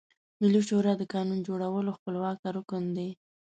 ملي شورا د قانون جوړولو خپلواکه رکن ده.